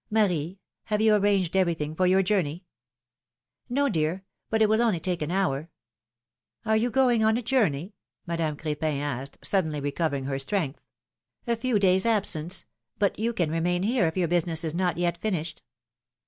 Marie, have you arranged everything for your journey ^^No, dear, but it will only take an hour.^^ ^^Are you going on a journey Madame Cr^pin asked, suddenly recovering her strength. ^^A few days' absence. But you can remain here if your business is not yet finished."